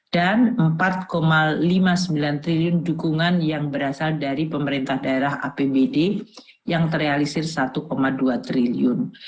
dan empat lima puluh sembilan triliun dukungan yang berasal dari pemerintah daerah apbd yang terrealisir satu dua triliun